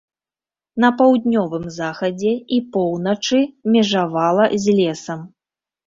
На паўднёвым захадзе і поўначы межавала з лесам.